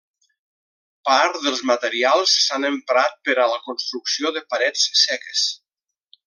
Part dels materials s'han emprat per a la construcció de parets seques.